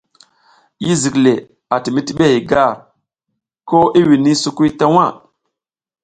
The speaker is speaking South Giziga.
Yi zik le a ti mizlihey gar ko i wini sukuy ta waʼ.